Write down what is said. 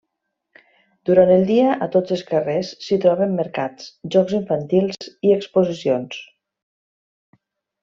Durant el dia a tots els carrers s'hi troben mercats, jocs infantils i exposicions.